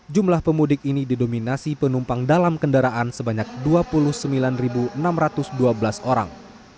jumlah pemudik ini didominasi penumpang dalam kendaraan sebanyak dua puluh sembilan enam ratus dua belas orang